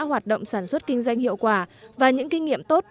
hoạt động sản xuất kinh doanh hiệu quả và những kinh nghiệm tốt